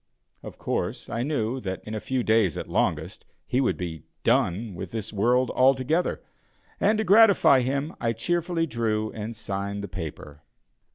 Of course, I knew that in a few days at longest, he would be "done" with this world altogether, and, to gratify him, I cheerfully drew and signed the paper.